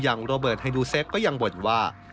ยังโรเบิดให้ดูเส็คก็ยังบ่นว่า